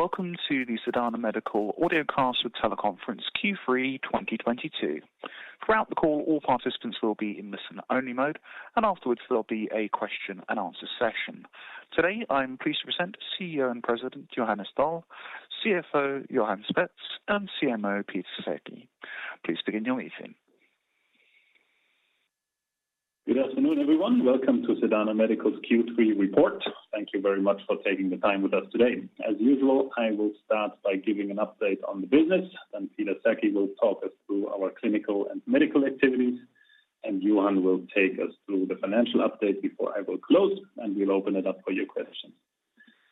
Welcome to the Sedana Medical Audiocast with Teleconference Q3 2022. Throughout the call, all participants will be in listen-only mode, and afterwards, there'll be a question-and-answer session. Today, I am pleased to present CEO and President, Johannes Doll, CFO, Johan Spetz, and CMO, Peter Sackey. Please begin your briefing. Good afternoon, everyone. Welcome to Sedana Medical's Q3 report. Thank you very much for taking the time with us today. As usual, I will start by giving an update on the business, then Peter Sackey will talk us through our clinical and medical activities, and Johan will take us through the financial update before I will close, and we'll open it up for your questions.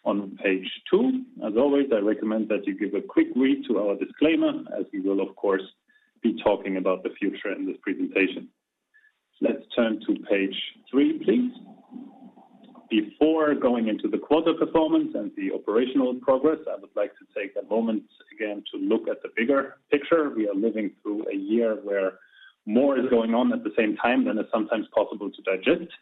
On page 2, as always, I recommend that you give a quick read to our disclaimer, as we will, of course, be talking about the future in this presentation. Let's turn to page 3, please. Before going into the quarter performance and the operational progress, I would like to take a moment again to look at the bigger picture. We are living through a year where more is going on at the same time than is sometimes possible to digest.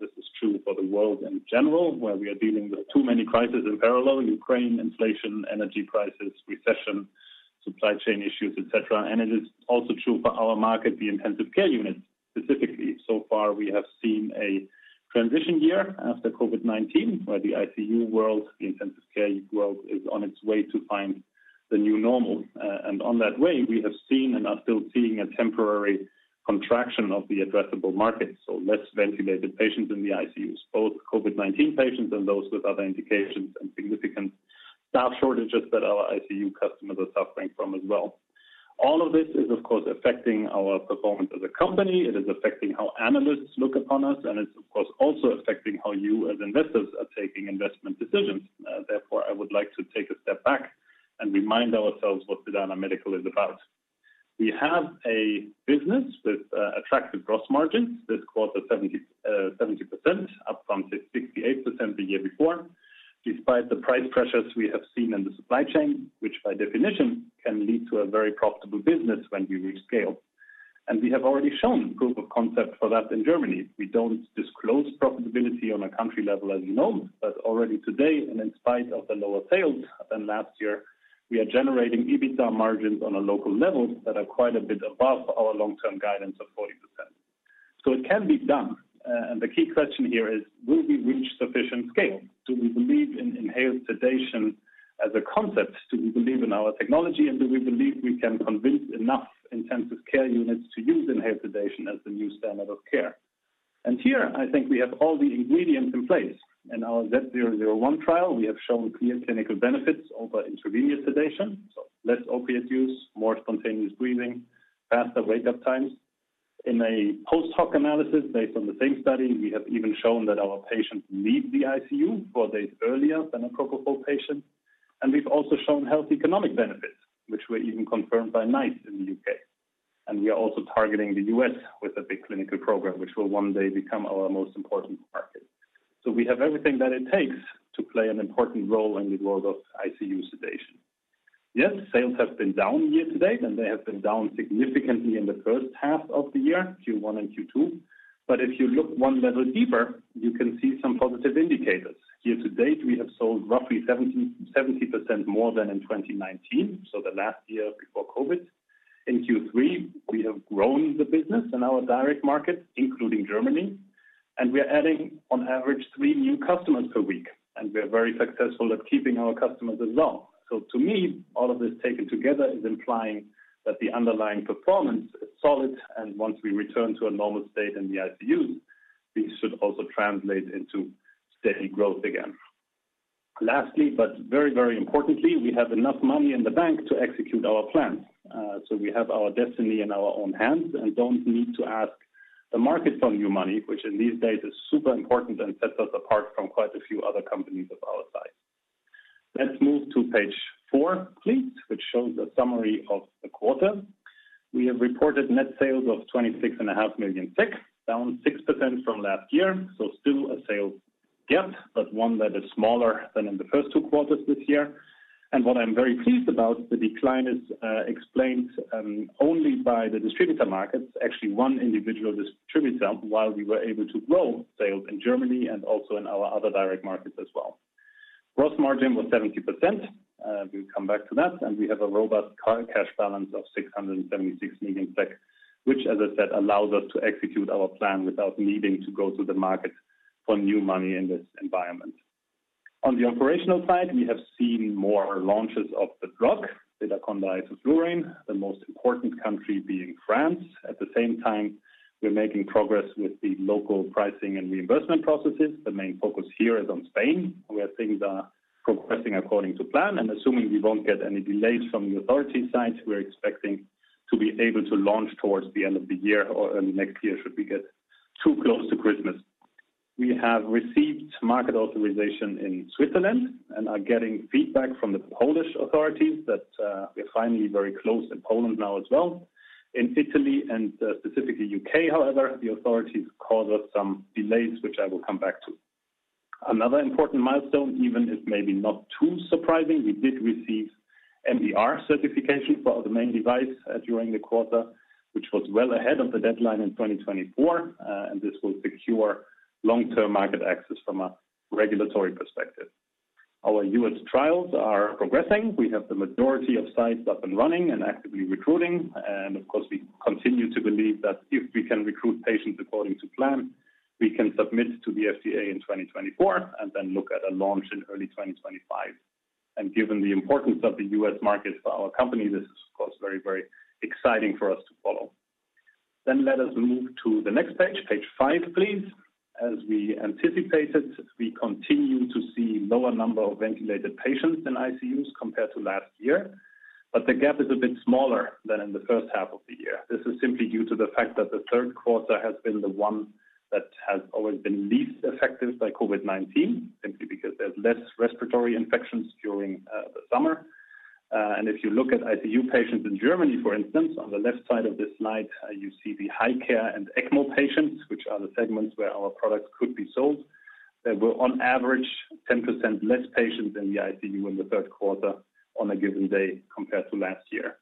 This is true for the world in general, where we are dealing with too many crises in parallel, Ukraine, inflation, energy prices, recession, supply chain issues, et cetera. It is also true for our market, the intensive care unit specifically. So far, we have seen a transition year after COVID-19, where the ICU world, the intensive care unit world, is on its way to find the new normal. On that way, we have seen and are still seeing a temporary contraction of the addressable market. Less ventilated patients in the ICUs, both COVID-19 patients and those with other indications, and significant staff shortages that our ICU customers are suffering from as well. All of this is, of course, affecting our performance as a company. It is affecting how analysts look upon us, and it's of course also affecting how you as investors are taking investment decisions. Therefore, I would like to take a step back and remind ourselves what Sedana Medical is about. We have a business with attractive gross margins. This quarter 70%, up from 68% the year before, despite the price pressures we have seen in the supply chain, which by definition can lead to a very profitable business when we reach scale. We have already shown proof of concept for that in Germany. We don't disclose profitability on a country level, as you know, but already today, and in spite of the lower sales than last year, we are generating EBITDA margins on a local level that are quite a bit above our long-term guidance of 40%. It can be done. The key question here is: will we reach sufficient scale? Do we believe in inhaled sedation as a concept? Do we believe in our technology? Do we believe we can convince enough intensive care units to use inhaled sedation as the new standard of care? Here I think we have all the ingredients in place. In our Z001 trial, we have shown clear clinical benefits over intravenous sedation, so less opiate use, more spontaneous breathing, faster wake-up times. In a post-hoc analysis based on the same study, we have even shown that our patients leave the ICU four days earlier than a propofol patient. We've also shown health economic benefits, which were even confirmed by NICE in the U.K. We are also targeting the U.S. with a big clinical program, which will one day become our most important market. We have everything that it takes to play an important role in the world of ICU sedation. Yes, sales have been down year to date, and they have been down significantly in the first half of the year, Q1 and Q2. If you look one level deeper, you can see some positive indicators. Year to date, we have sold roughly 70% more than in 2019, so the last year before COVID. In Q3, we have grown the business in our direct markets, including Germany, and we are adding on average three new customers per week, and we are very successful at keeping our customers as well. To me, all of this taken together is implying that the underlying performance is solid, and once we return to a normal state in the ICU, this should also translate into steady growth again. Lastly, but very, very importantly, we have enough money in the bank to execute our plan. We have our destiny in our own hands and don't need to ask the market for new money, which in these days is super important and sets us apart from quite a few other companies of our size. Let's move to page 4 please, which shows a summary of the quarter. We have reported net sales of 26 and a half million SEK, down 6% from last year. Still a sales gap, but one that is smaller than in the first two quarters this year. What I'm very pleased about, the decline is explained only by the distributor markets. Actually one individual distributor while we were able to grow sales in Germany and also in our other direct markets as well. Gross margin was 70%. We'll come back to that. We have a robust cash balance of 676 million SEK, which as I said allows us to execute our plan without needing to go to the market for new money in this environment. On the operational side, we have seen more launches of the drug, Sedaconda isoflurane, the most important country being France. At the same time, we're making progress with the local pricing and reimbursement processes. The main focus here is on Spain, where things are progressing according to plan. Assuming we won't get any delays from the authority side, we're expecting to be able to launch towards the end of the year or early next year should we get too close to Christmas. We have received market authorization in Switzerland and are getting feedback from the Polish authorities that we are finally very close in Poland now as well. In Italy and specifically U.K. however, the authorities caused us some delays, which I will come back to. Another important milestone, even if maybe not too surprising, we did receive MDR certification for our Sedaconda device during the quarter, which was well ahead of the deadline in 2024. This will secure long-term market access from a regulatory perspective. Our U.S. trials are progressing. We have the majority of sites up and running and actively recruiting. Of course, we continue to believe that if we can recruit patients according to plan, we can submit to the FDA in 2024 and then look at a launch in early 2025. Given the importance of the U.S. market for our company, this is of course very, very exciting for us to follow. Let us move to the next page 5, please. As we anticipated, we continue to see lower number of ventilated patients in ICUs compared to last year, but the gap is a bit smaller than in the first half of the year. This is simply due to the fact that the third quarter has been the one that has always been least affected by COVID-19, simply because there's less respiratory infections during the summer. If you look at ICU patients in Germany, for instance, on the left side of this slide, you see the high care and ECMO patients, which are the segments where our products could be sold. There were on average 10% less patients in the ICU in the third quarter on a given day compared to last year.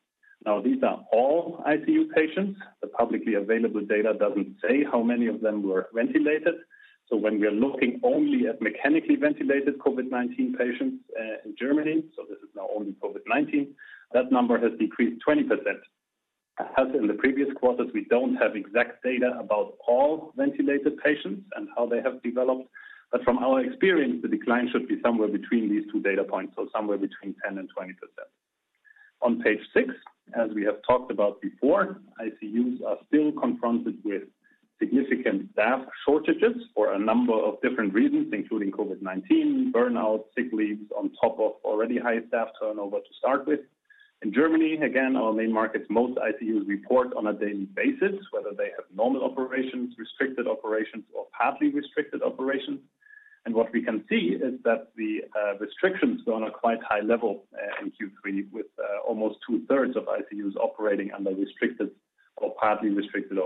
Now, these are all ICU patients. The publicly available data doesn't say how many of them were ventilated. When we are looking only at mechanically ventilated COVID-19 patients in Germany, so this is now only COVID-19, that number has decreased 20%. As in the previous quarters, we don't have exact data about all ventilated patients and how they have developed. From our experience, the decline should be somewhere between these two data points, so somewhere between 10%-20%. On page 6, as we have talked about before, ICUs are still confronted with significant staff shortages for a number of different reasons, including COVID-19, burnout, sick leaves on top of already high staff turnover to start with. In Germany, again, our main markets, most ICUs report on a daily basis, whether they have normal operations, restricted operations or partly restricted operations. What we can see is that the restrictions were on a quite high level in Q3 with almost two-thirds of ICUs operating under restricted or partly restricted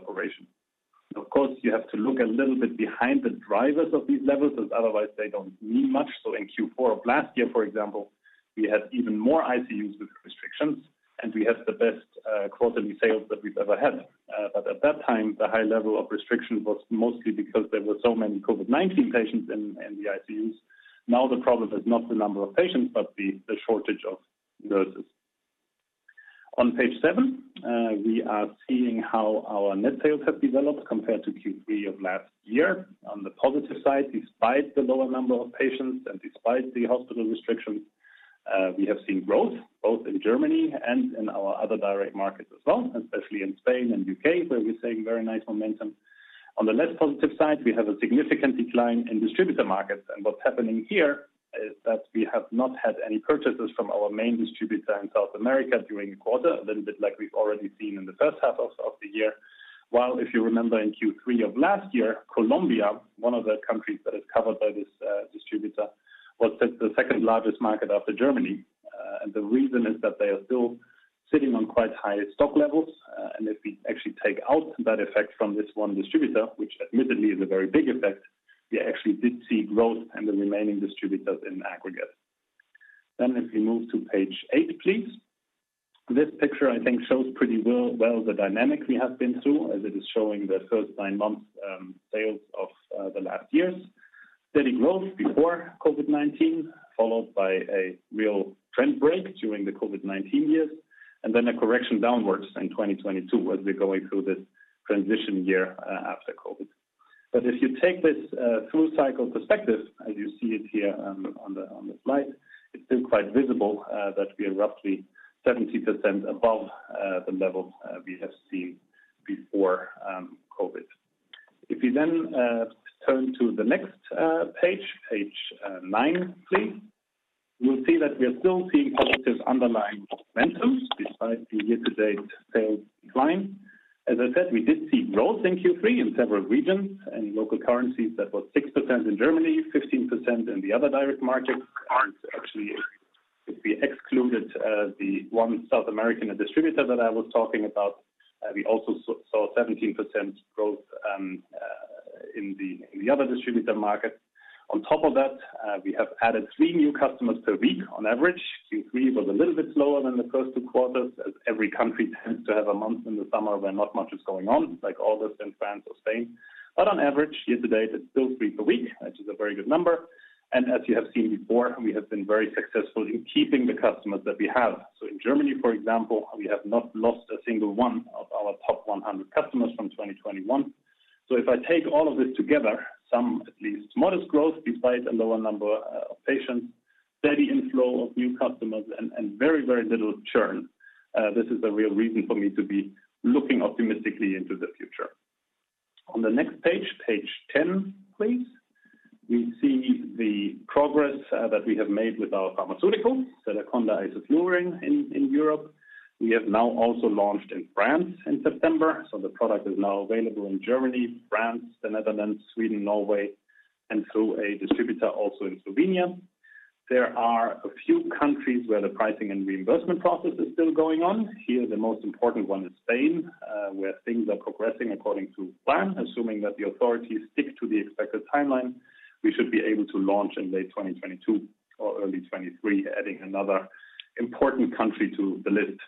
operation. Of course, you have to look a little bit behind the drivers of these levels as otherwise they don't mean much. In Q4 of last year, for example, we had even more ICUs with restrictions, and we had the best quarterly sales that we've ever had. But at that time, the high level of restriction was mostly because there were so many COVID-19 patients in the ICUs. Now the problem is not the number of patients, but the shortage of nurses. On page 7, we are seeing how our net sales have developed compared to Q3 of last year. On the positive side, despite the lower number of patients and despite the hospital restrictions, we have seen growth both in Germany and in our other direct markets as well, especially in Spain and U.K., where we're seeing very nice momentum. On the less positive side, we have a significant decline in distributor markets. What's happening here is that we have not had any purchases from our main distributor in South America during the quarter, a little bit like we've already seen in the first half of the year. While if you remember in Q3 of last year, Colombia, one of the countries that is covered by this distributor, was the second-largest market after Germany. The reason is that they are still sitting on quite high stock levels. If we actually take out that effect from this one distributor, which admittedly is a very big effect, we actually did see growth in the remaining distributors in aggregate. If we move to page 8, please. This picture I think shows pretty well the dynamic we have been through as it is showing the first nine months sales of the last years. Steady growth before COVID-19, followed by a real trend break during the COVID-19 years, and then a correction downwards in 2022 as we're going through this transition year after COVID. If you take this through cycle perspective as you see it here on the slide, it's still quite visible that we are roughly 70% above the levels we have seen before COVID. If you turn to the next page, 9 please, you will see that we are still seeing positive underlying momentums despite the year-to-date sales decline. As I said, we did see growth in Q3 in several regions. In local currencies, that was 6% in Germany, 15% in the other direct markets. Actually, if we excluded the one South American distributor that I was talking about, we also saw 17% growth in the other distributor markets. On top of that, we have added three new customers per week on average. Q3 was a little bit slower than the first two quarters, as every country tends to have a month in the summer where not much is going on, like August in France or Spain. On average, year to date, it's still three per week, which is a very good number. As you have seen before, we have been very successful in keeping the customers that we have. In Germany, for example, we have not lost a single one of our top 100 customers from 2021. If I take all of this together, some at least modest growth despite a lower number of patients, steady inflow of new customers and very little churn. This is a real reason for me to be looking optimistically into the future. On the next page 10, please. We see the progress that we have made with our pharmaceutical, Sedaconda isoflurane in Europe. We have now also launched in France in September, so the product is now available in Germany, France, the Netherlands, Sweden, Norway, and through a distributor also in Slovenia. There are a few countries where the pricing and reimbursement process is still going on. Here, the most important one is Spain, where things are progressing according to plan. Assuming that the authorities stick to the expected timeline, we should be able to launch in late 2022 or early 2023, adding another important country to the list.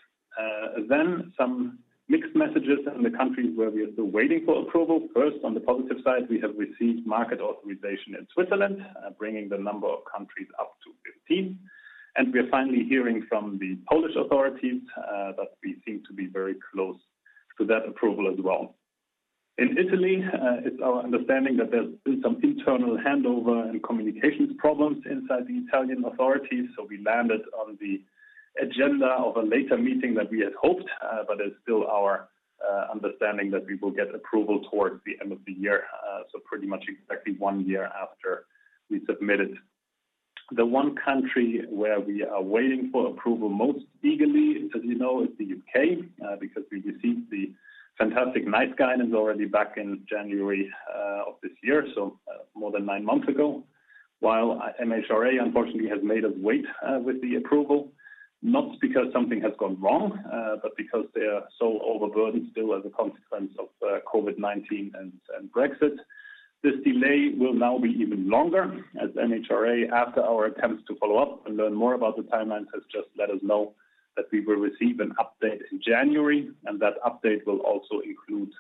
Some mixed messages in the countries where we are still waiting for approval. First, on the positive side, we have received market authorization in Switzerland, bringing the number of countries up to 15. We are finally hearing from the Polish authorities that we seem to be very close to that approval as well. In Italy, it's our understanding that there's been some internal handover and communications problems inside the Italian authorities, so we landed on the agenda of a later meeting that we had hoped, but it's still our understanding that we will get approval towards the end of the year, so pretty much exactly one year after we submitted. The one country where we are waiting for approval most eagerly, as you know, is the U.K., because we received the fantastic NICE guidance already back in January of this year, so more than 9 months ago. While MHRA unfortunately has made us wait with the approval, not because something has gone wrong, but because they are so overburdened still as a consequence of COVID-19 and Brexit. This delay will now be even longer, as MHRA, after our attempts to follow up and learn more about the timelines, has just let us know that we will receive an update in January, and that update will also include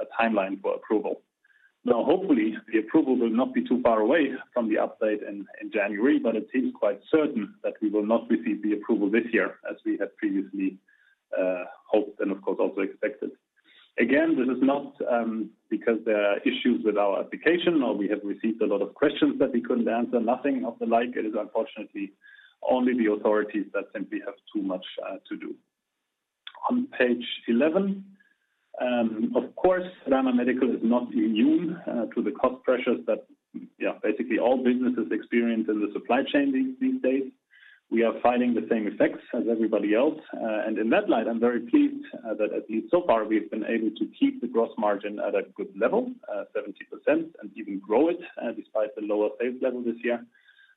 a timeline for approval. Now, hopefully, the approval will not be too far away from the update in January, but it seems quite certain that we will not receive the approval this year, as we had previously hoped and of course also expected. Again, this is not because there are issues with our application or we have received a lot of questions that we couldn't answer, nothing of the like. It is unfortunately only the authorities that simply have too much to do. On page 11, of course, Sedana Medical is not immune to the cost pressures that basically all businesses experience in the supply chain these days. We are finding the same effects as everybody else. In that light, I'm very pleased that at least so far, we've been able to keep the gross margin at a good level, 70%, and even grow it, despite the lower sales level this year.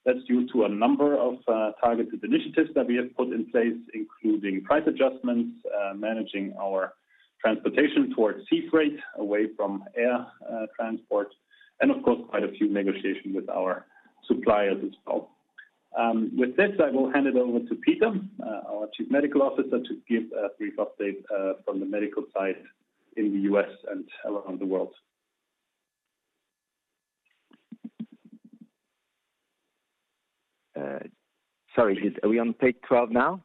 That's due to a number of targeted initiatives that we have put in place, including price adjustments, managing our transportation towards sea freight away from air transport, and of course, quite a few negotiations with our suppliers as well. With this, I will hand it over to Peter, our Chief Medical Officer, to give a brief update from the medical side in the U.S. and around the world. Sorry, are we on page 12 now?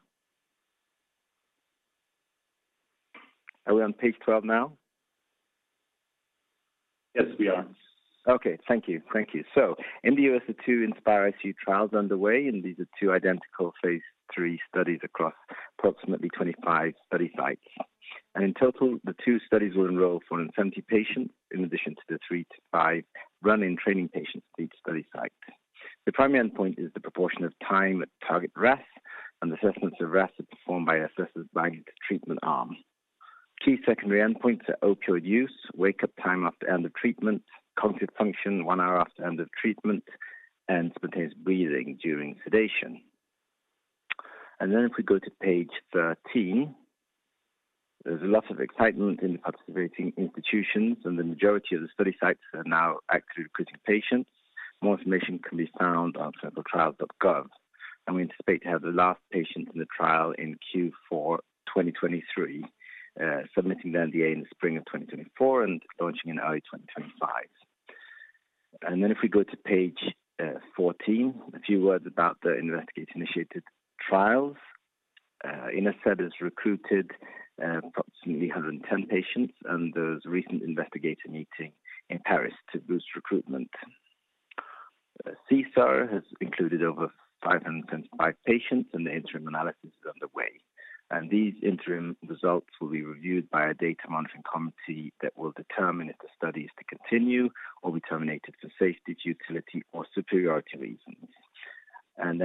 Yes, we are. Okay. Thank you. Thank you. In the U.S., the 2 INSPiRE-ICU trials underway, and these are two identical phase III studies across approximately 25 study sites. In total, the two studies will enroll 470 patients in addition to the three-five run-in training patients at each study site. The primary endpoint is the proportion of time at target RASS, and assessments of RASS are performed by assessors blinded to treatment arm. Key secondary endpoints are opioid use, wake-up time after end of treatment, cognitive function 1 hour after end of treatment, and spontaneous breathing during sedation. If we go to page 13, there's a lot of excitement in the participating institutions, and the majority of the study sites are now actively recruiting patients. More information can be found on ClinicalTrials.gov. We anticipate to have the last patient in the trial in Q4 2023, submitting the NDA in the spring of 2024 and launching in early 2025. If we go to page 14, a few words about the investigator-initiated trials. INNOSEAD has recruited approximately 110 patients, and there was a recent investigator meeting in Paris to boost recruitment. SESAR has included over 525 patients, and the interim analysis is underway. These interim results will be reviewed by a data monitoring committee that will determine if the study is to continue or be terminated for safety, utility, or superiority reasons.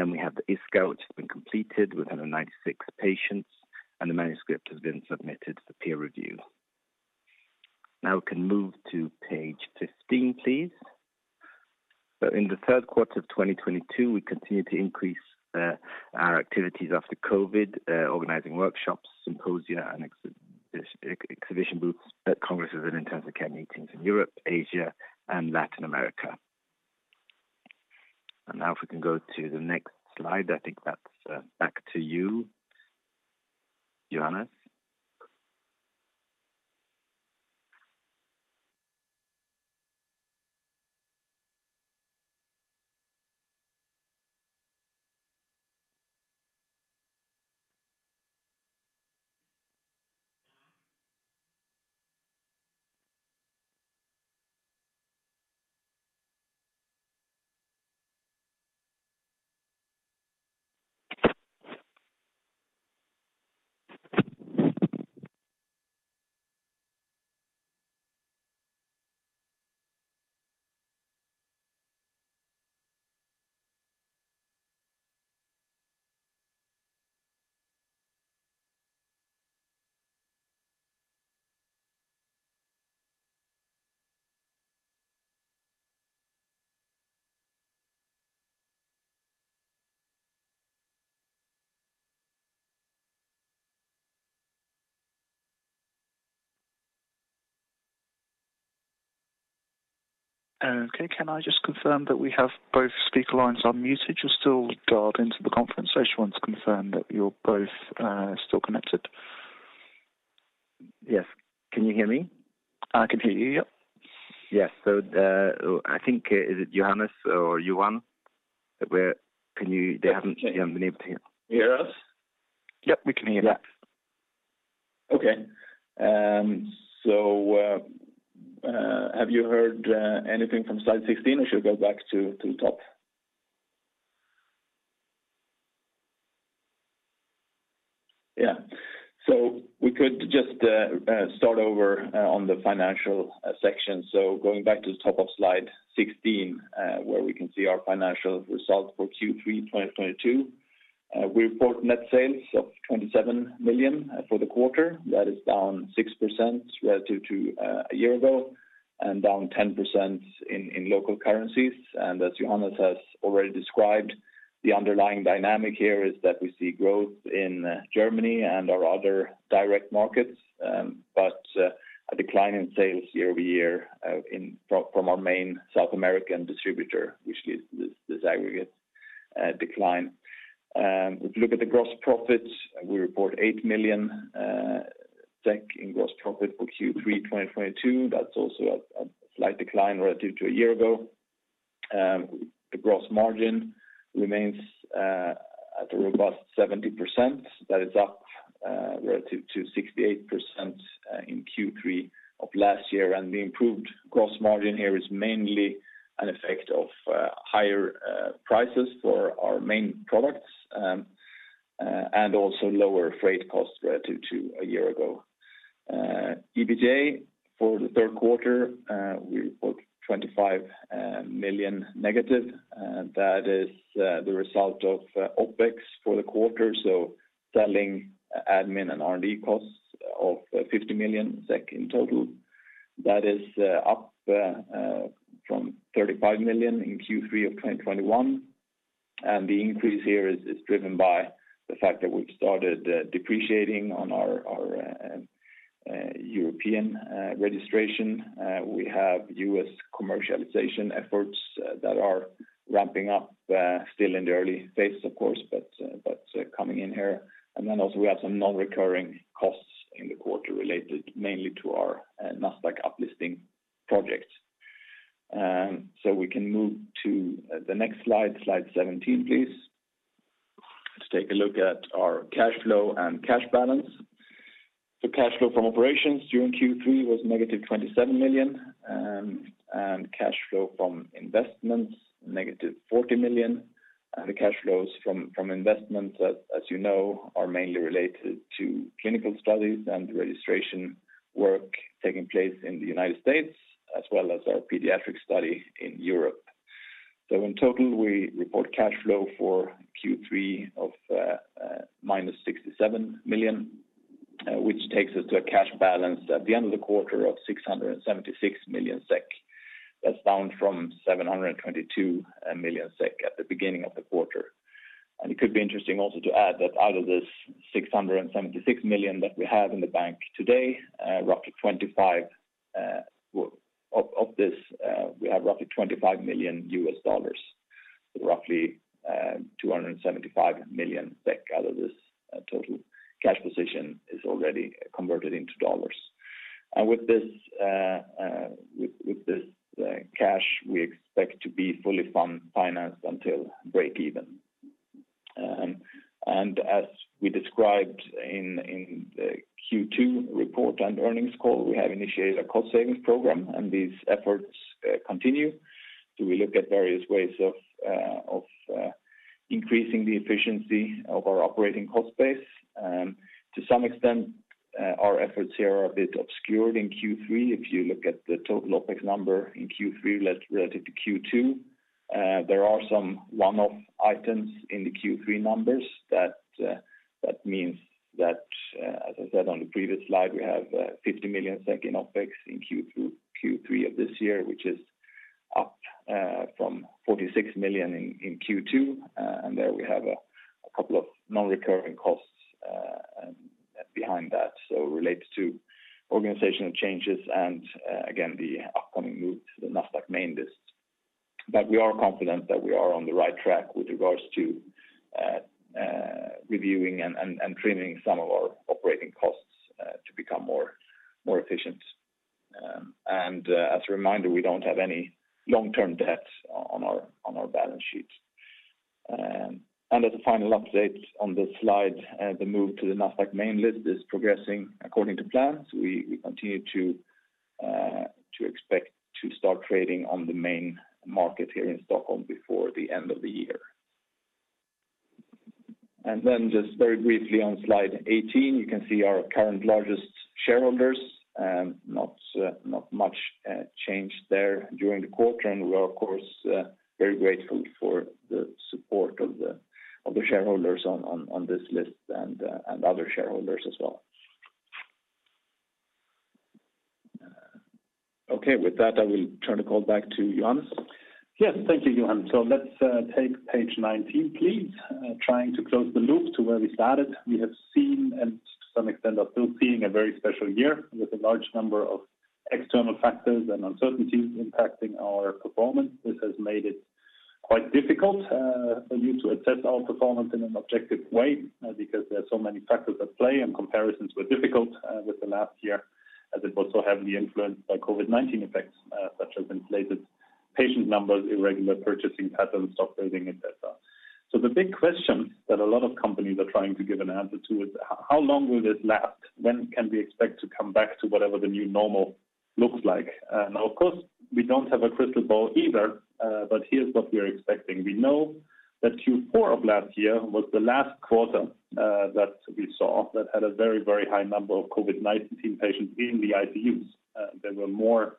We have the ISCOUT, which has been completed with 196 patients, and the manuscript has been submitted for peer review. Now we can move to page 15, please. In the third quarter of 2022, we continued to increase our activities after COVID, organizing workshops, symposia, and exhibition booths at congresses and intensive care meetings in Europe, Asia, and Latin America. Now if we can go to the next slide, I think that's back to you, Johannes. Okay, can I just confirm that we have both speaker lines unmuted? You're still dialed into the conference. I just want to confirm that you're both still connected. Yes. Can you hear me? I can hear you, yep. Yes. I think, is it Johannes or Johan? They haven't been able to hear. Can you hear us? Yep, we can hear you. Have you heard anything from slide 16, or should we go back to the top? Yeah. We could just start over on the financial section. Going back to the top of slide 16, where we can see our financial results for Q3 2022. We report net sales of 27 million for the quarter. That is down 6% relative to a year ago, and down 10% in local currencies. As Johannes has already described, the underlying dynamic here is that we see growth in Germany and our other direct markets, but a decline in sales year-over-year from our main South American distributor, which is this aggregate decline. If you look at the gross profits, we report 8 million SEK in gross profit for Q3 2022. That's also a slight decline relative to a year ago. The gross margin remains at a robust 70%. That is up relative to 68% in Q3 of last year. The improved gross margin here is mainly an effect of higher prices for our main products and also lower freight costs relative to a year ago. EBIT for the third quarter, we report 25 million. That is the result of OpEx for the quarter. Selling admin and R&D costs of 50 million SEK in total. That is up from 35 million in Q3 of 2021. The increase here is driven by the fact that we've started depreciating on our European registration. We have U.S. commercialization efforts that are ramping up, still in the early phases, of course, but coming in here. We have some non-recurring costs in the quarter related mainly to our Nasdaq uplisting project. We can move to the next slide 17, please, to take a look at our cash flow and cash balance. The cash flow from operations during Q3 was 27 million, and cash flow from investments, 40 million. The cash flows from investments, as you know, are mainly related to clinical studies and registration work taking place in the United States, as well as our pediatric study in Europe. In total, we report cash flow for Q3 of 67 million, which takes us to a cash balance at the end of the quarter of 676 million SEK. That's down from 722 million SEK at the beginning of the quarter. It could be interesting also to add that out of this 676 million that we have in the bank today, we have roughly $25 million. Roughly, 275 million SEK out of this total cash position is already converted into dollars. With this cash, we expect to be fully financed until break even. As we described in the Q2 report and earnings call, we have initiated a cost savings program and these efforts continue. We look at various ways of increasing the efficiency of our operating cost base. To some extent, our efforts here are a bit obscured in Q3. If you look at the total OpEx number in Q3 relative to Q2, there are some one-off items in the Q3 numbers that means that, as I said on the previous slide, we have 50 million SEK in OpEx in Q3 of this year, which is up from 46 million in Q2. There we have a couple of non-recurring costs behind that, related to organizational changes and again, the upcoming move to the Nasdaq main list. We are confident that we are on the right track with regards to reviewing and trimming some of our operating costs to become more efficient. As a reminder, we don't have any long-term debt on our balance sheet. As a final update on this slide, the move to the Nasdaq main list is progressing according to plan. We continue to expect to start trading on the main market here in Stockholm before the end of the year. Then just very briefly on slide 18, you can see our current largest shareholders. Not much change there during the quarter. We are, of course, very grateful for the support of the shareholders on this list and other shareholders as well. Okay. With that, I will turn the call back to Johannes. Yes. Thank you, Johan. Let's take page 19 please. Trying to close the loop to where we started. We have seen, and to some extent are still seeing, a very special year with a large number of external factors and uncertainties impacting our performance. This has made it quite difficult for you to assess our performance in an objective way, because there are so many factors at play, and comparisons were difficult with the last year as it was so heavily influenced by COVID-19 effects, such as inflated patient numbers, irregular purchasing patterns, stock building, et cetera. The big question that a lot of companies are trying to give an answer to is how long will this last? When can we expect to come back to whatever the new normal looks like? Now of course, we don't have a crystal ball either, but here's what we are expecting. We know that Q4 of last year was the last quarter that we saw that had a very, very high number of COVID-19 patients in the ICUs. There were more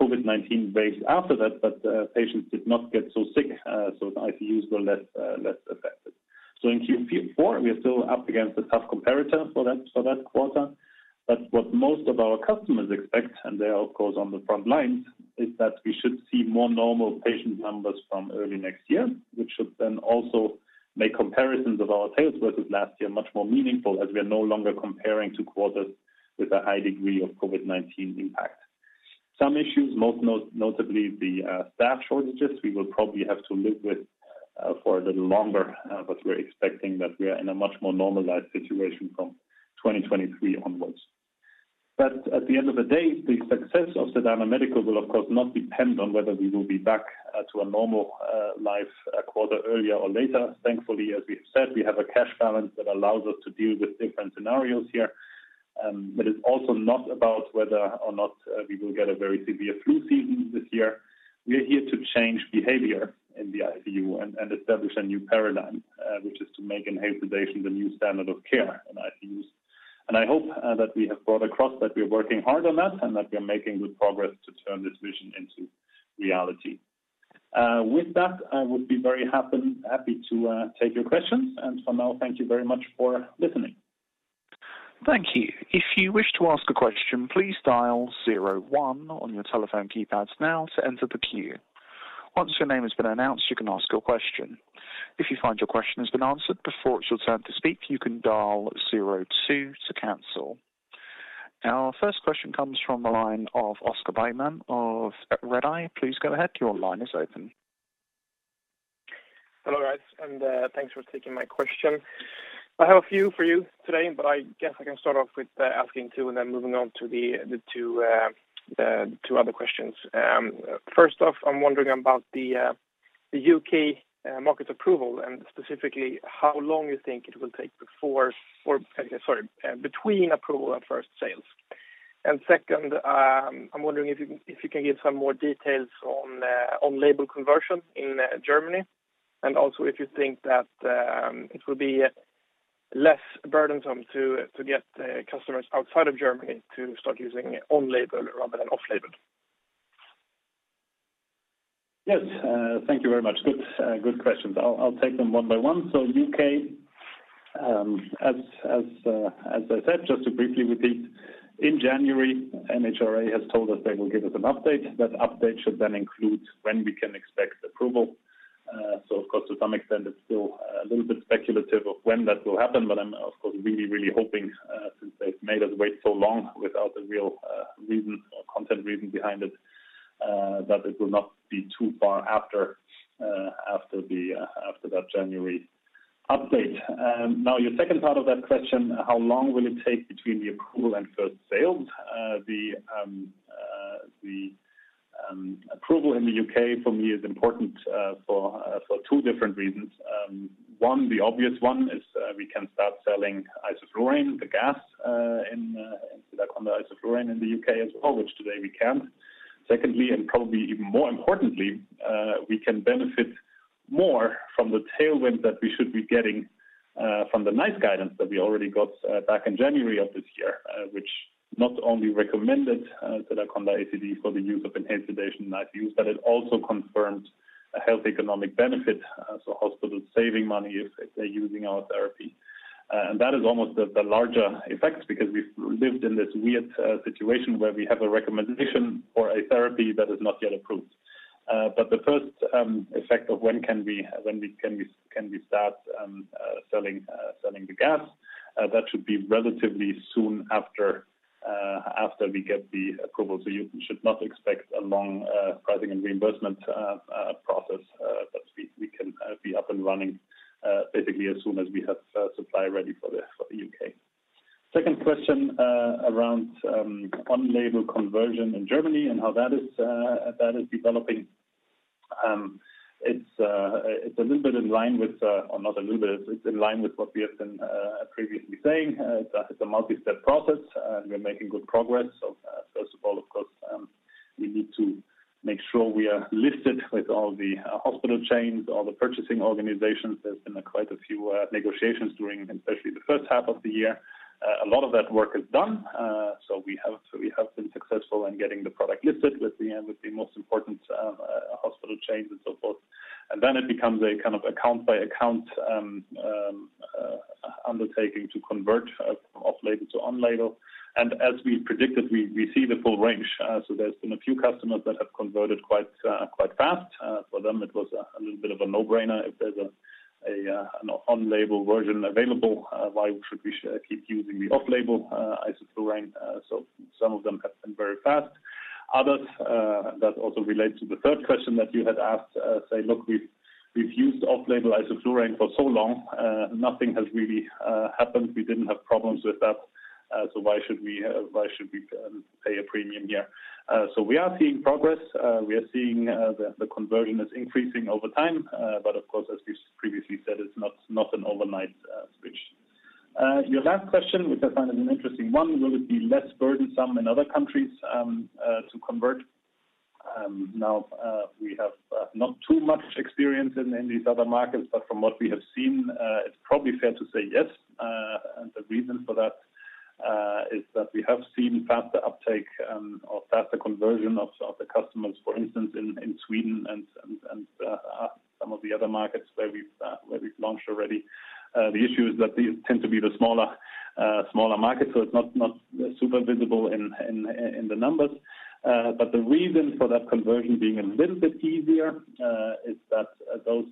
COVID-19 waves after that, but the patients did not get so sick. The ICUs were less affected. In Q4 we are still up against a tough comparator for that quarter. What most of our customers expect, and they are of course on the front lines, is that we should see more normal patient numbers from early next year, which should then also make comparisons of our sales versus last year much more meaningful as we are no longer comparing two quarters with a high degree of COVID-19 impact. Some issues, most notably the staff shortages we will probably have to live with for a little longer, but we're expecting that we are in a much more normalized situation from 2023 onwards. At the end of the day, the success of Sedana Medical will of course not depend on whether we will be back to a normal life a quarter earlier or later. Thankfully, as we've said, we have a cash balance that allows us to deal with different scenarios here. It's also not about whether or not we will get a very severe flu season this year. We are here to change behavior in the ICU and establish a new paradigm, which is to make enhanced sedation the new standard of care in ICUs. I hope that we have brought across that we are working hard on that, and that we are making good progress to turn this vision into reality. With that, I would be very happy to take your questions. For now, thank you very much for listening. Thank you. If you wish to ask a question, please dial zero one on your telephone keypads now to enter the queue. Once your name has been announced, you can ask your question. If you find your question has been answered before it's your turn to speak, you can dial zero two to cancel. Our first question comes from the line of Oscar Bergman of Redeye. Please go ahead. Your line is open. Hello, guys, and thanks for taking my question. I have a few for you today, but I guess I can start off with asking two and then moving on to the two other questions. First off, I'm wondering about the U.K. market approval and specifically how long you think it will take between approval and first sales. Second, I'm wondering if you can give some more details on label conversion in Germany and also if you think that it will be less burdensome to get customers outside of Germany to start using on label rather than off label. Yes. Thank you very much. Good questions. I'll take them one by one. U.K., as I said, just to briefly repeat, in January MHRA has told us they will give us an update. That update should then include when we can expect approval. Of course, to some extent it's still a little bit speculative of when that will happen. I'm of course really hoping, since they've made us wait so long without a real reason or content reason behind it, that it will not be too far after that January update. Now your second part of that question, how long will it take between the approval and first sales? The approval in the U.K. for me is important for two different reasons. One, the obvious one is, we can start selling Sedaconda isoflurane, the gas, in the U.K. as well, which today we can't. Secondly, and probably even more importantly, we can benefit more from the tailwind that we should be getting from the NICE guidance that we already got back in January of this year. Which not only recommended Sedaconda ACD for the use of enhanced sedation in ICUs, but it also confirmed a health economic benefit. So hospitals saving money if they're using our therapy. And that is almost the larger effect because we've lived in this weird situation where we have a recommendation for a therapy that is not yet approved. The first effect of when can we start selling the gas that should be relatively soon after we get the approval. You should not expect a long pricing and reimbursement process that we can be up and running basically as soon as we have supply ready for the U.K. Second question around on-label conversion in Germany and how that is developing. It's in line with what we have been previously saying. That it's a multi-step process and we're making good progress. First of all, of course, we need to make sure we are listed with all the hospital chains, all the purchasing organizations. There's been quite a few negotiations during especially the first half of the year. A lot of that work is done. We have been successful in getting the product listed with the most important hospital chains and so forth. Then it becomes a kind of account by account undertaking to convert off-label to on-label. As we predicted, we see the full range. There's been a few customers that have converted quite fast. For them, it was a little bit of a no-brainer. If there's an on-label version available, why should we keep using the off-label isoflurane? Some of them have been very fast. Others that also relate to the third question that you had asked say, "Look, we've used off-label isoflurane for so long, nothing has really happened. We didn't have problems with that, so why should we pay a premium here?" We are seeing progress. We are seeing the conversion is increasing over time. Of course, as we've previously said, it's not an overnight switch. Your last question, which I find an interesting one, will it be less burdensome in other countries to convert? Now, we have not too much experience in these other markets, but from what we have seen, it's probably fair to say yes. The reason for that is that we have seen faster uptake, or faster conversion of the customers, for instance, in Sweden and some of the other markets where we've launched already. The issue is that these tend to be the smaller markets, so it's not super visible in the numbers. The reason for that conversion being a little bit easier is that those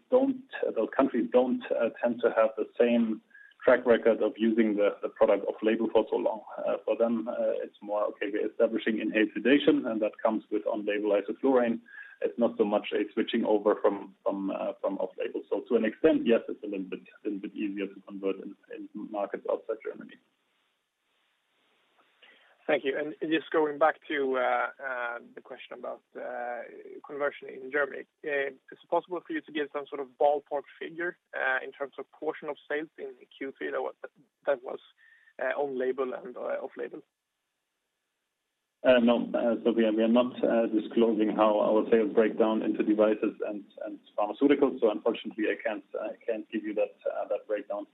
countries don't tend to have the same track record of using the product off-label for so long. For them, it's more, okay, we're establishing in sedation, and that comes with on-label isoflurane. It's not so much a switching over from off-label. To an extent, yes, it's a little bit easier to convert in markets outside Germany. Thank you. Just going back to the question about conversion in Germany. Is it possible for you to give some sort of ballpark figure in terms of portion of sales in Q3 that was on-label and/or off-label? No. We are not disclosing how our sales break down into devices and pharmaceuticals. Unfortunately, I can't give you that breakdown.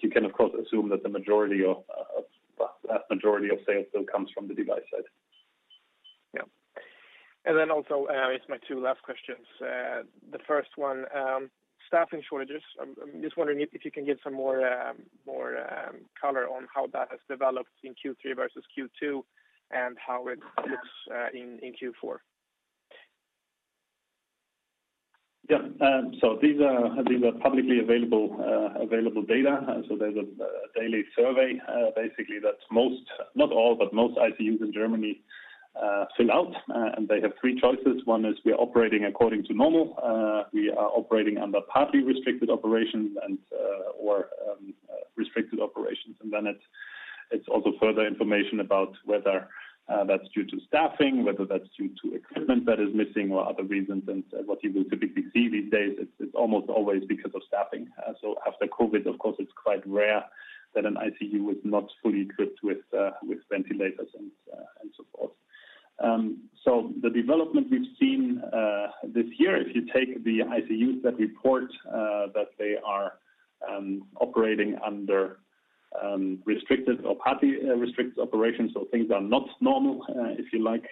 You can, of course, assume that the vast majority of sales still comes from the device side. It's my two last questions. The first one, staffing shortages. I'm just wondering if you can give some more color on how that has developed in Q3 versus Q2 and how it looks in Q4. Yeah. These are publicly available data. There's a daily survey, basically, that most, not all, but most ICUs in Germany fill out. They have three choices. One is we are operating according to normal. We are operating under partly restricted operations or restricted operations. It's also further information about whether that's due to staffing, whether that's due to equipment that is missing or other reasons. What you will typically see these days, it's almost always because of staffing. After COVID, of course, it's quite rare that an ICU is not fully equipped with ventilators and so forth. The development we've seen this year, if you take the ICUs that report that they are operating under restricted or partly restricted operations, so things are not normal, if you like.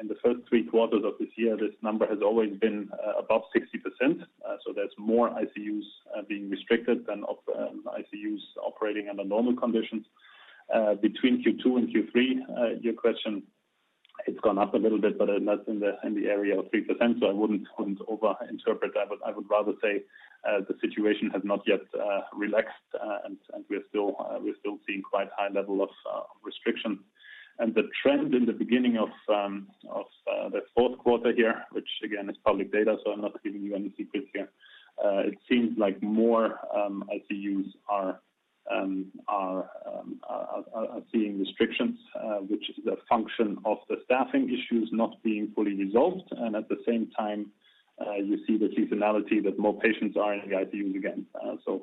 In the first three quarters of this year, this number has always been above 60%. So there's more ICUs being restricted than of ICUs operating under normal conditions. Between Q2 and Q3, your question, it's gone up a little bit, but that's in the area of 3%, so I wouldn't overinterpret that. I would rather say the situation has not yet relaxed. We're still seeing quite high level of restriction. The trend in the beginning of the fourth quarter here, which again is public data, so I'm not giving you any secrets here. It seems like more ICUs are seeing restrictions, which is a function of the staffing issues not being fully resolved. At the same time, you see the seasonality that more patients are in the ICUs again.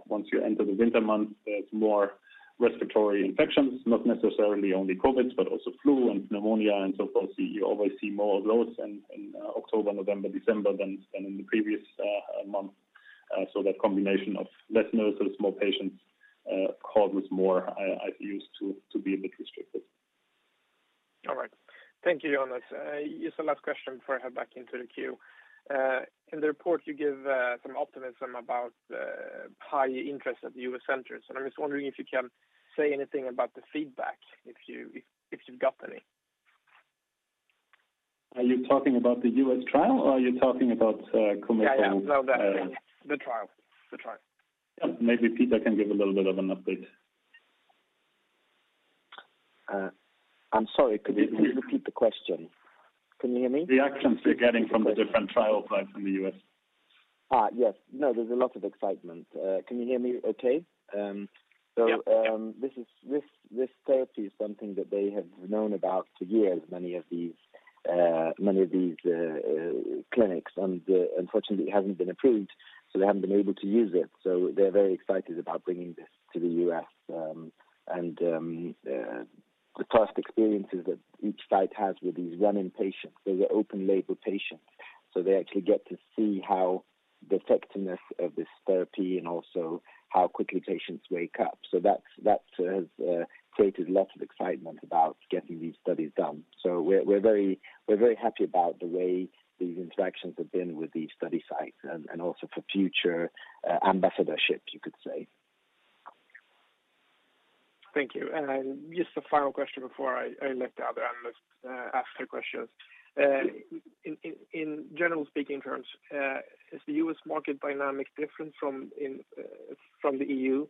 Once you enter the winter months, there's more respiratory infections, not necessarily only COVID, but also flu and pneumonia and so forth. You always see more of those in October, November, December than in the previous months. That combination of less nurses, more patients causes more ICUs to be a bit restricted. All right. Thank you, Jonas. Just a last question before I hand back into the queue. In the report, you give some optimism about high interest at the U.S. centers. I'm just wondering if you can say anything about the feedback, if you've got any. Are you talking about the U.S. trial or are you talking about commercial? Yeah. No, the trial. Yeah. Maybe Peter can give a little bit of an update. I'm sorry. Could you please repeat the question? Can you hear me? The actions we're getting from the different trial sites in the U.S. Yes. No, there's a lot of excitement. Can you hear me okay? Yeah. This therapy is something that they have known about for years, many of these clinics. Unfortunately, it hasn't been approved, so they haven't been able to use it. They're very excited about bringing this to the U.S. The past experiences that each site has with these running patients, they're the open label patients, so they actually get to see how the effectiveness of this therapy and also how quickly patients wake up. That's created lots of excitement about getting these studies done. We're very happy about the way these interactions have been with these study sites and also for future ambassadorship, you could say. Thank you. Just a final question before I let the other analysts ask their questions. In general speaking terms, is the U.S. market dynamic different from the EU?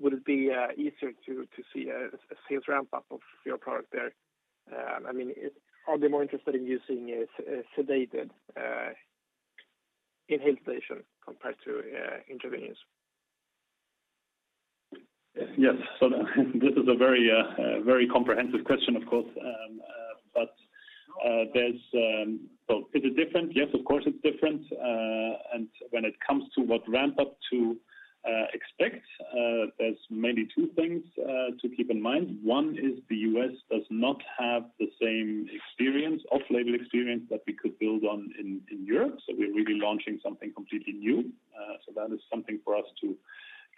Would it be easier to see a sales ramp-up of your product there? I mean, are they more interested in using inhaled sedation compared to intravenous? This is a very, very comprehensive question, of course. Is it different? Yes, of course, it's different. When it comes to what ramp-up to expect, there's maybe two things to keep in mind. One is the U.S. does not have the same experience, off-label experience that we could build on in Europe. We're really launching something completely new. That is something for us to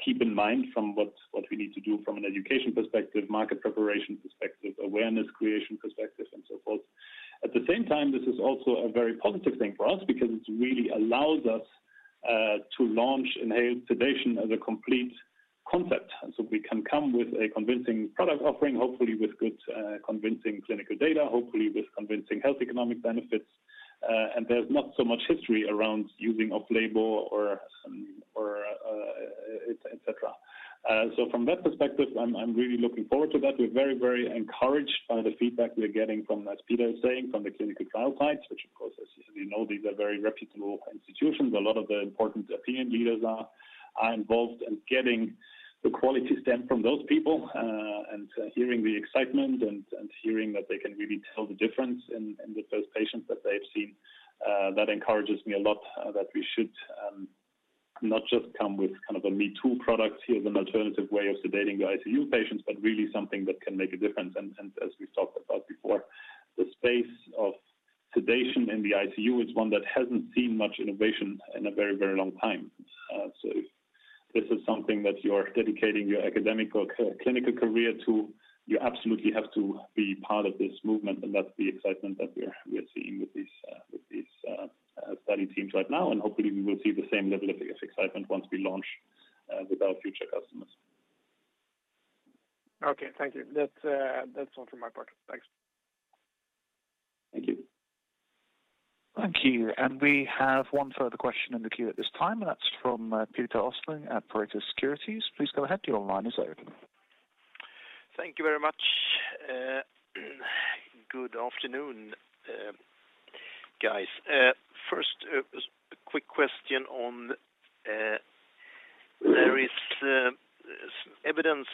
keep in mind from what we need to do from an education perspective, market preparation perspective, awareness creation perspective, and so forth. At the same time, this is also a very positive thing for us because it really allows us to launch inhaled sedation as a complete concept. We can come with a convincing product offering, hopefully with good convincing clinical data, hopefully with convincing health economic benefits. There's not so much history around using off-label or et cetera. From that perspective, I'm really looking forward to that. We're very encouraged by the feedback we are getting from, as Peter was saying, from the clinical trial sites, which of course, as we know, these are very reputable institutions. A lot of the important opinion leaders are involved, and getting the quality stamp from those people, and hearing the excitement and hearing that they can really tell the difference in with those patients that they've seen, that encourages me a lot, that we should not just come with kind of a me-too product here as an alternative way of sedating the ICU patients, but really something that can make a difference. As we've talked about before, the space of sedation in the ICU is one that hasn't seen much innovation in a very long time. If this is something that you're dedicating your academic or clinical career to, you absolutely have to be part of this movement, and that's the excitement that we're seeing with these study teams right now. Hopefully we will see the same level of excitement once we launch with our future customers. Okay. Thank you. That's all from my part. Thanks. Thank you. Thank you. We have one further question in the queue at this time, and that's from Peter Östling at Berenberg Securities. Please go ahead. Your line is open. Thank you very much. Good afternoon, guys. First, a quick question on, there is some evidence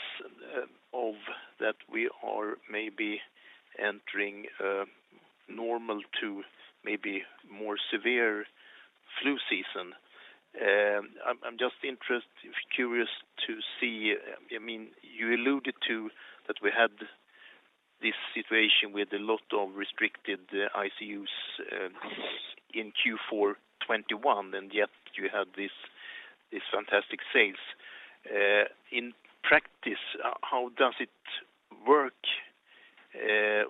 of that we are maybe entering a normal to maybe more severe flu season. I'm just curious to see. I mean, you alluded to that we had this situation with a lot of restricted ICUs in Q4 2021, and yet you had this fantastic sales. In practice, how does it work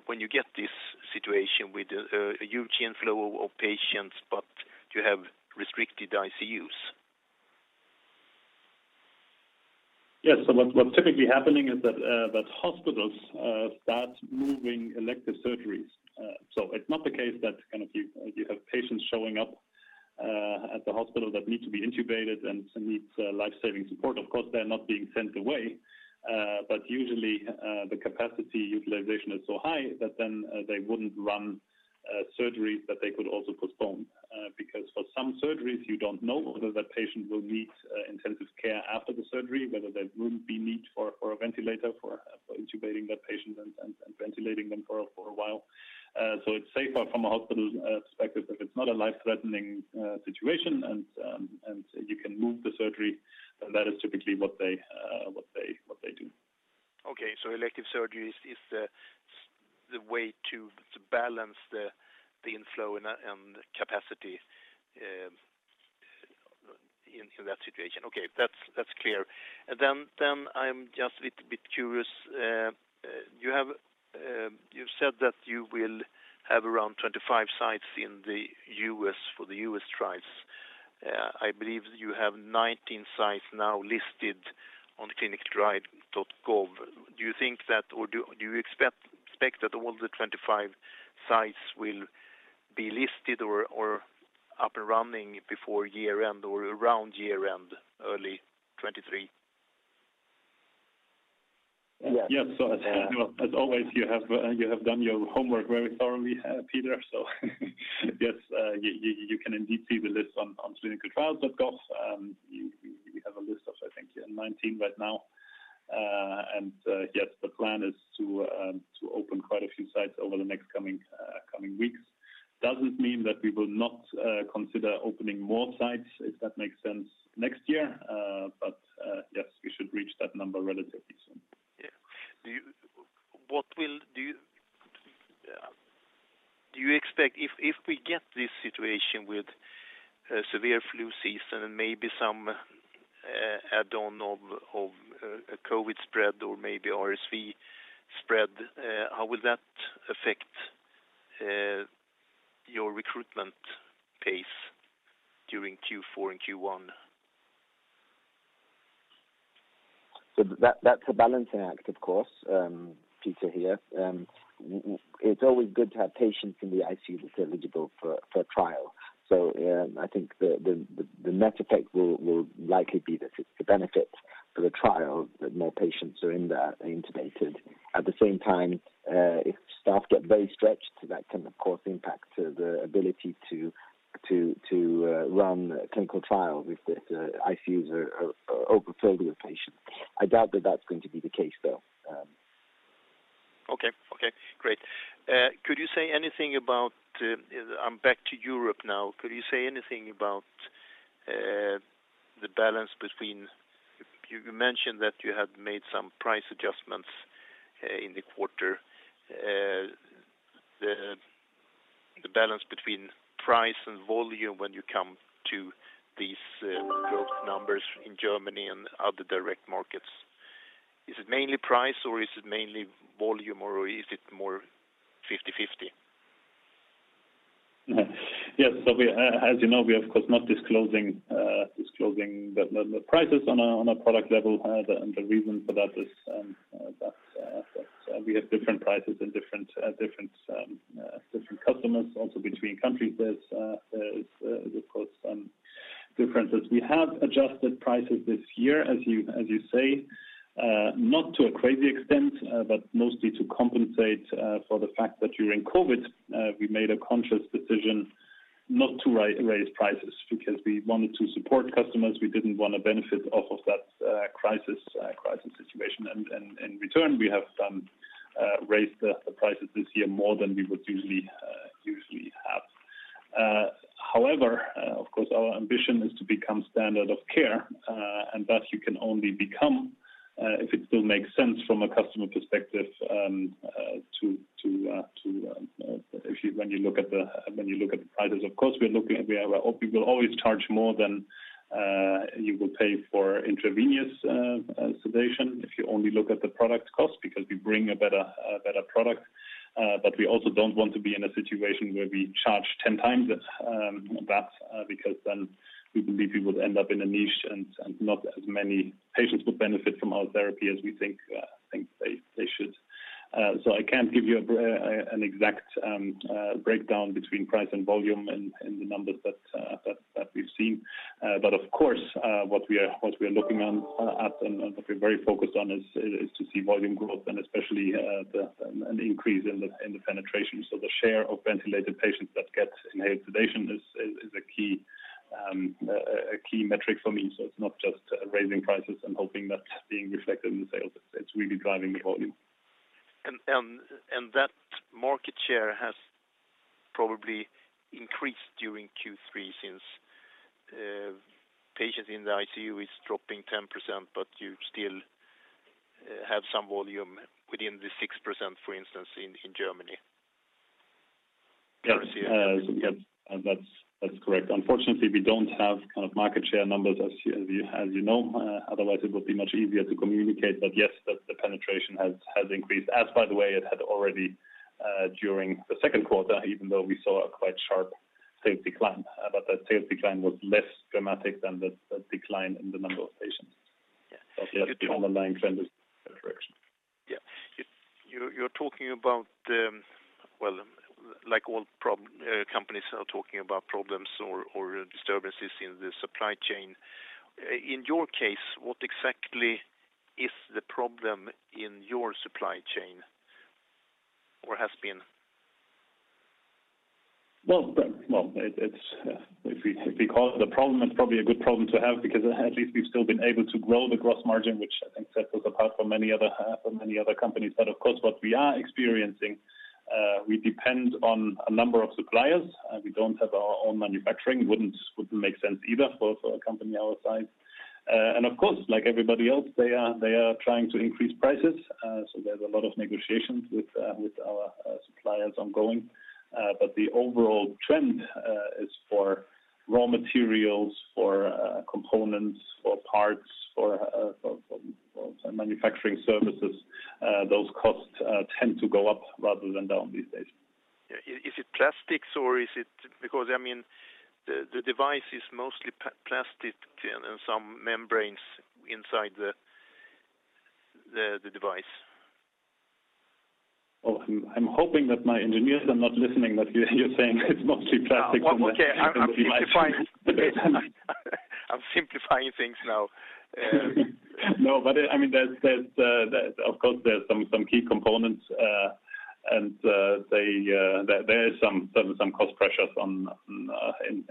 when you get this situation with a huge inflow of patients, but you have restricted ICUs? Yes. What's typically happening is that hospitals start moving elective surgeries. It's not the case that kind of you have patients showing up at the hospital that need to be intubated and need life-saving support. Of course, they're not being sent away. Usually, the capacity utilization is so high that then they wouldn't run surgeries that they could also postpone. For some surgeries you don't know whether that patient will need intensive care after the surgery, whether there will be need for a ventilator for intubating that patient and ventilating them for a while. It's safer from a hospital's perspective if it's not a life-threatening situation and you can move the surgery, then that is typically what they do. Okay. Elective surgeries is the way to balance the inflow and capacity in that situation. Okay. That's clear. I'm just a little bit curious. You've said that you will have around 25 sites in the U.S. for the U.S. trials. I believe you have 19 sites now listed on ClinicalTrials.gov. Do you think that, or do you expect that all the 25 sites will be listed or up and running before year-end or around year-end early 2023? Yeah. As you know, as always, you have done your homework very thoroughly, Peter. Yes, you can indeed see the list on ClinicalTrials.gov. You have a list of, I think, 19 right now. Yes, the plan is to open quite a few sites over the next coming weeks. It doesn't mean that we will not consider opening more sites if that makes sense next year. Yes, we should reach that number relatively soon. Do you expect, if we get this situation with a severe flu season and maybe some add-on of a COVID spread or maybe RSV spread, how will that affect your recruitment pace Q4 and Q1? That's a balancing act, of course, Peter here. It's always good to have patients in the ICU that are eligible for a trial. I think the net effect will likely be that it's the benefit for the trial that more patients are in there intubated. At the same time, if staff get very stretched, that can, of course, impact the ability to run a clinical trial if the ICUs are overfilled with patients. I doubt that that's going to be the case, though. Okay. Okay, great. Could you say anything about, I'm back to Europe now. Could you say anything about the balance between. You mentioned that you had made some price adjustments in the quarter. The balance between price and volume when you come to these growth numbers in Germany and other direct markets. Is it mainly price or is it mainly volume, or is it more 50\50? Yes. As you know, we are, of course, not disclosing the prices on a product level. The reason for that is that we have different prices and different customers also between countries. There's, of course, differences. We have adjusted prices this year, as you say, not to a crazy extent, but mostly to compensate for the fact that during COVID, we made a conscious decision not to raise prices because we wanted to support customers. We didn't want to benefit off of that crisis situation. In return, we have raised the prices this year more than we would usually have. However, of course, our ambition is to become standard of care, and that you can only become if it still makes sense from a customer perspective when you look at the prices. Of course, we will always charge more than you would pay for intravenous sedation if you only look at the product cost because we bring a better product. We also don't want to be in a situation where we charge ten times that because then we believe we would end up in a niche, and not as many patients would benefit from our therapy as we think they should. I can't give you an exact breakdown between price and volume in the numbers that we've seen. Of course, what we are looking at and what we're very focused on is to see volume growth and especially an increase in the penetration. The share of ventilated patients that get inhaled sedation is a key metric for me. It's not just raising prices and hoping that's being reflected in the sales. It's really driving the volume. That market share has probably increased during Q3 since patients in the ICU is dropping 10%, but you still have some volume within the 6%, for instance, in Germany. Yes. That's correct. Unfortunately, we don't have kind of market share numbers as you know. Otherwise, it would be much easier to communicate. Yes, the penetration has increased, as by the way, it had already during the second quarter, even though we saw a quite sharp sales decline. That sales decline was less dramatic than the decline in the number of patients. Yes. The underlying trend is correction. Yeah. You're talking about, well, like all companies are talking about problems or disturbances in the supply chain. In your case, what exactly is the problem in your supply chain or has been? It's if you call it a problem, it's probably a good problem to have because at least we've still been able to grow the gross margin, which I think sets us apart from many other companies. Of course, what we are experiencing, we depend on a number of suppliers. We don't have our own manufacturing. It wouldn't make sense either for a company our size. Of course, like everybody else, they are trying to increase prices. There's a lot of negotiations with our suppliers ongoing. The overall trend is for raw materials, for components, for parts, for manufacturing services, those costs tend to go up rather than down these days. Is it plastics or is it, because, I mean, the device is mostly plastic and some membranes inside the device. Oh, I'm hoping that my engineers are not listening, that you're saying it's mostly plastic. Okay. I'm simplifying things now. No, but I mean, there's of course some key components, and there is some cost pressures on in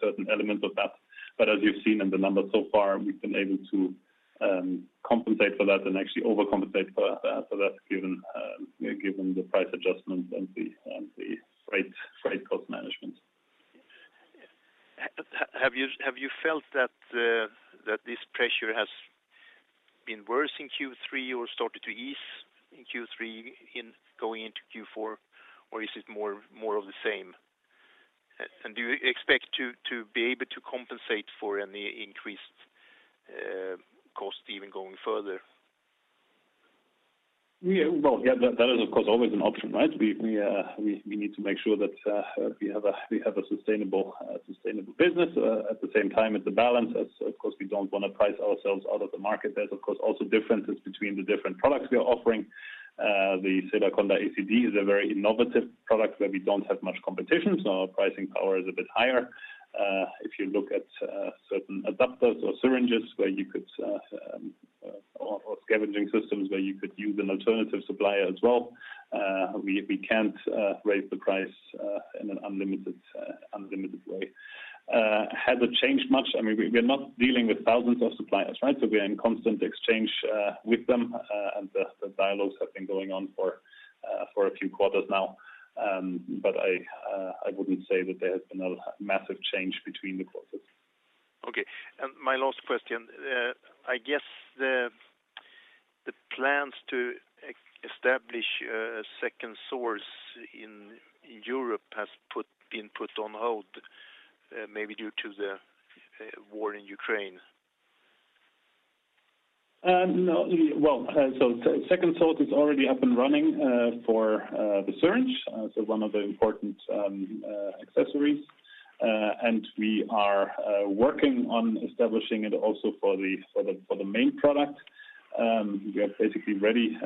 certain elements of that. As you've seen in the numbers so far, we've been able to compensate for that and actually overcompensate for that, given the price adjustments and the freight cost management. Have you felt that this pressure has been worse in Q3 or started to ease in Q3 in going into Q4? Or is it more of the same? Do you expect to be able to compensate for any increase? Yeah. Well, yeah, that is, of course, always an option, right? We need to make sure that we have a sustainable business. At the same time, it's a balance as, of course, we don't wanna price ourselves out of the market. There's, of course, also differences between the different products we are offering. The Sedaconda ACD is a very innovative product where we don't have much competition, so our pricing power is a bit higher. If you look at certain adapters or syringes or scavenging systems where you could use an alternative supplier as well, we can't raise the price in an unlimited way. Has it changed much? I mean, we're not dealing with thousands of suppliers, right? We're in constant exchange with them, and the dialogues have been going on for a few quarters now. I wouldn't say that there has been a massive change between the quarters. Okay. My last question. I guess the plans to establish a second source in Europe has been put on hold, maybe due to the war in Ukraine. No. Well, second source is already up and running for the syringe, so one of the important accessories. We are working on establishing it also for the main product. We are basically ready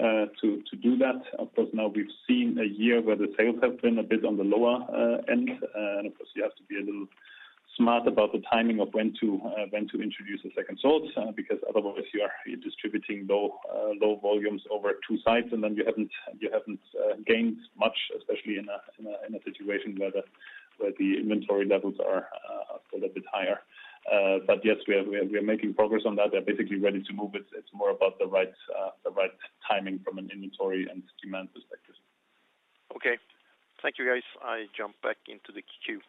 to do that. Of course, now we've seen a year where the sales have been a bit on the lower end. Of course, you have to be a little smart about the timing of when to introduce a second source, because otherwise you are distributing low volumes over two sides, and then you haven't gained much, especially in a situation where the inventory levels are a little bit higher. Yes, we are making progress on that. We are basically ready to move. It's more about the right timing from an inventory and demand perspective. Okay. Thank you, guys. I jump back into the queue.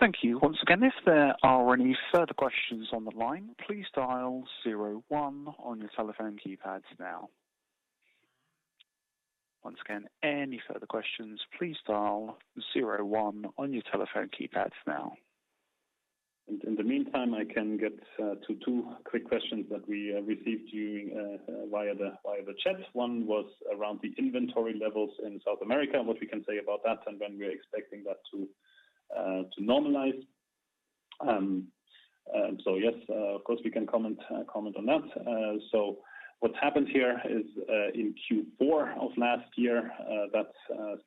Thank you. Once again, if there are any further questions on the line, please dial zero one on your telephone keypads now. Once again, any further questions, please dial zero one on your telephone keypads now. In the meantime, I can get to two quick questions that we received via the chat. One was around the inventory levels in South America and what we can say about that and when we're expecting that to normalize. Yes, of course, we can comment on that. What happened here is, in Q4 of last year, that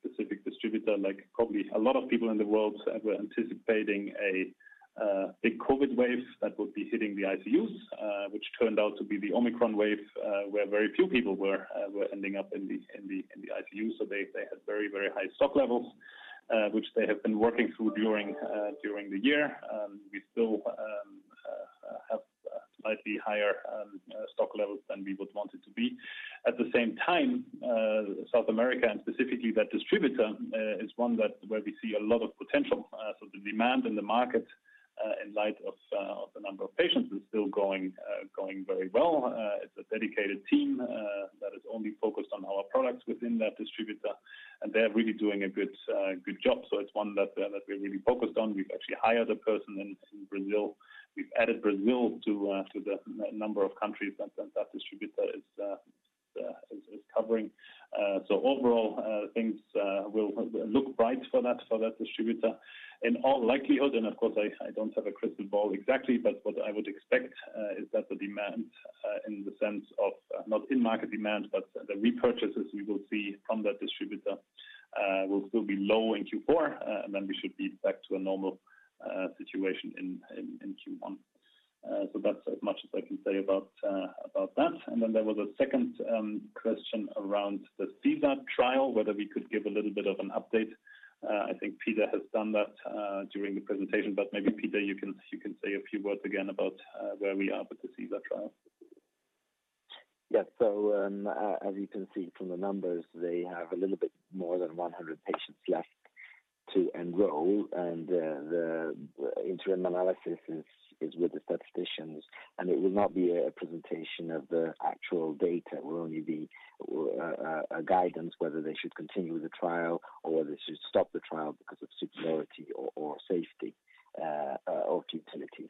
specific distributor, like probably a lot of people in the world, were anticipating a big COVID wave that would be hitting the ICUs, which turned out to be the Omicron wave, where very few people were ending up in the ICU. They had very high stock levels, which they have been working through during the year. We still have slightly higher stock levels than we would want it to be. At the same time, South America and specifically that distributor is one where we see a lot of potential. The demand in the market in light of the number of patients is still going very well. It's a dedicated team that is only focused on our products within that distributor, and they are really doing a good job. It's one that we're really focused on. We've actually hired a person in Brazil. We've added Brazil to the number of countries that distributor is covering. Overall, things will look bright for that distributor. In all likelihood, and of course, I don't have a crystal ball exactly, but what I would expect is that the demand, in the sense of, not in market demand, but the repurchases we will see from that distributor, will still be low in Q4, and then we should be back to a normal situation in Q1. So that's as much as I can say about that. There was a second question around the SHIVA trial, whether we could give a little bit of an update. I think Peter has done that during the presentation, but maybe Peter, you can say a few words again about where we are with the SHIVA trial. Yeah, as you can see from the numbers, they have a little bit more than 100 patients left to enroll, and the interim analysis is with the statisticians, and it will not be a presentation of the actual data. It will only be a guidance whether they should continue the trial or whether they should stop the trial because of superiority or safety or utility.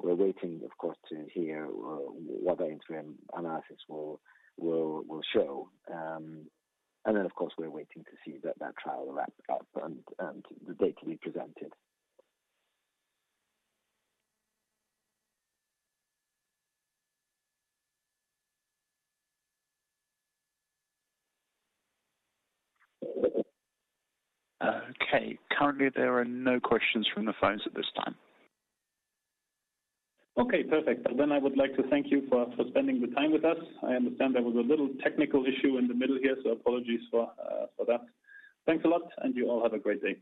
We're waiting, of course, to hear what the interim analysis will show. Of course, we're waiting to see that trial wrap up and the data be presented. Okay. Currently, there are no questions from the phones at this time. Okay. Perfect. I would like to thank you for spending the time with us. I understand there was a little technical issue in the middle here, so apologies for that. Thanks a lot, and you all have a great day.